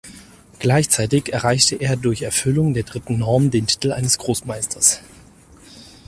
Gleichzeitig erreichte er durch Erfüllung der dritten Norm den Titel eines Großmeisters.